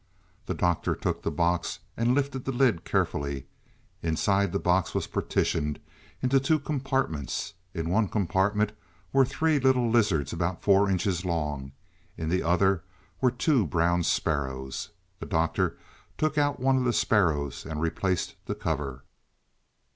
The Doctor took the box and lifted the lid carefully. Inside, the box was partitioned into two compartments. In one compartment were three little lizards about four inches long; in the other were two brown sparrows. The Doctor took out one of the sparrows and replaced the cover.